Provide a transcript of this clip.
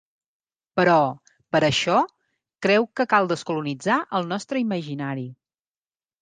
Però, per a això, creu que cal descolonitzar el nostre imaginari.